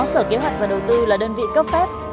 sở kế hoạch và đầu tư là đơn vị cấp phép